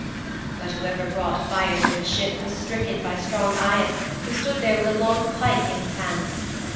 "' 'But whoever brought fire near the ship was stricken by strong Aias who stood there with a long pike in his hands.